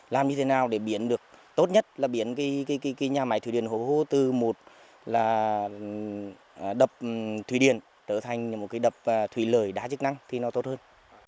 làm như thế nào để biến được tốt nhất là biến cái nhà máy thủy điện hố hồ từ một là đập thủy điện trở thành một cái đập thủy lợi đá chức năng thì nó tốt hơn